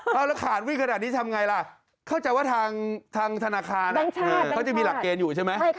เอาละขาดวิ่งขนาดนี้ทำไงล่ะเข้าใจว่าทางธนาคารเขาจะมีหลักเกณฑ์อยู่ใช่ไหม